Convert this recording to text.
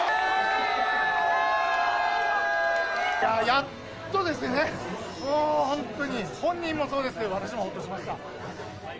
やっとですね、もう本当に、本人もそうですけど、私もほっとしました。